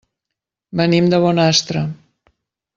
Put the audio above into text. Venim de Bonastre.